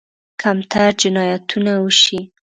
کمتر جنایتونه وشي.